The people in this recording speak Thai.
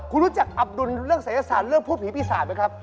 คุณรู้จักอับดุลเรื่องศัยศาสตร์เรื่องพูดผีปีศาจไหมครับ